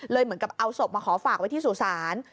เลยเหมือนกับเอาสบมาขอฝากไว้ที่สุสาร